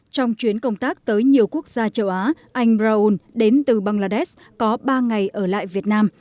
trong chuyến công tác tới nhiều quốc gia châu á anh raul đến từ bangladesh có ba ngày ở lại việt nam